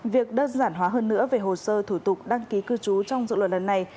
việc đơn giản hóa hơn nữa về hồ sơ thủ tục đăng ký cư trú trong dự luận lần này